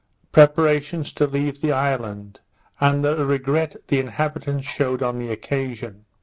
Preparations to leave the Island; and the Regret the Inhabitants shewed on the Occasion.